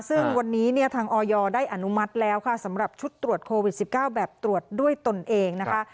ซึ่งวันนี้เนี่ยทางออยได้อนุมัติแล้วค่ะสำหรับชุดตรวจโควิด๑๙แบบตรวจด้วยตนเองนะคะ